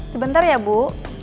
sebentar ya bu